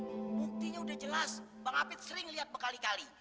buktinya udah jelas bang hafid sering liat berkali kali